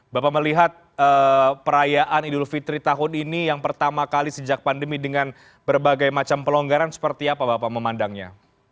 bapak melihat perayaan idul fitri tahun ini yang pertama kali sejak pandemi dengan berbagai macam pelonggaran seperti apa bapak memandangnya